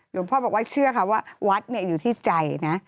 หลวงพ่อบอกว่าเชื่อค่ะว่าวัดอยู่ที่ใจนะ